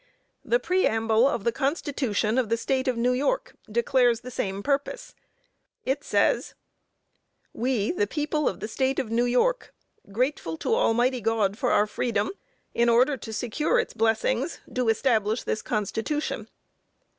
The preamble of the Constitution of the State of New York declares the same purpose. It says: "We, the people of the State of New York, grateful to Almighty God for our freedom, in order to secure its blessings, do establish this Constitution."